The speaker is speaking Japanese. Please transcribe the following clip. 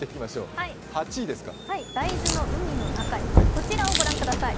はい、大豆の海の中にこちらご覧ください。